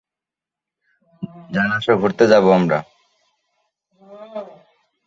পরবর্তী কালে তিনি "মালা বদল", "মাইয়ার নাম ময়না", "অবরোধ", "বিচ্ছেদ" চলচ্চিত্র পরিচালনা করেন।